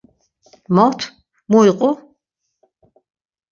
Mot, mu iqu?